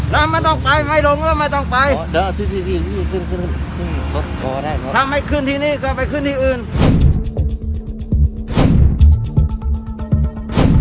รับไม่ต้องไปไม่ลงเลยไม่ต้องไปถ้าไม่ขึ้นที่นี่ก็ไปขึ้นที่อื่น